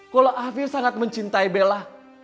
kalau afir sangat mencintai bella